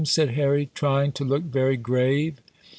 said Harry, trying to look very grave.